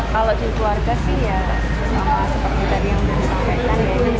kalau di keluarga sih ya sama seperti tadi yang sudah disampaikan